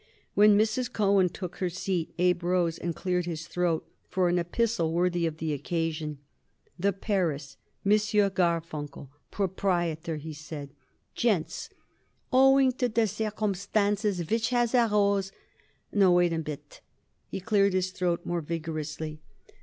When Miss Cohen took her seat Abe rose and cleared his throat for an epistle worthy of the occasion. "The Paris. M. Garfunkel, Proprietor," he said. "Gents: Owing to circumstances which has arose No. Wait a bit." He cleared his throat more vigorously.